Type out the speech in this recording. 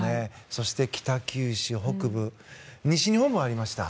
そして北九州北部西日本もありました。